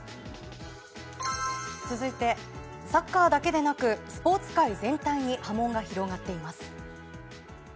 続いてサッカーだけでなくスポーツ界全体に波紋が広がっています。